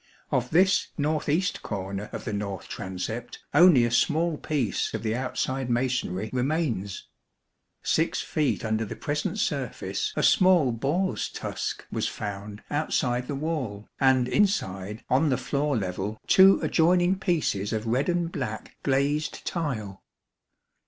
Of this north east corner of the north transept only a small piece of the outside masonry remains. Six feet under the present surface a small boar's tusk was found outside the wall, and inside on the floor level two adjoining pieces of red and black glazed tile.